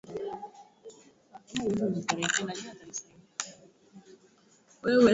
Batoto banapenda dissin annimé